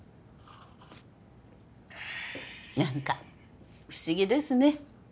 あっ何か不思議ですね